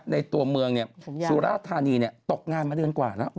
ในตัวเมืองนะสุลาธานีตกอย่างมาเรื่อยกว่าแล้ว